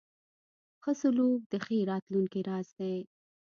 ښه سلوک د ښې راتلونکې راز دی.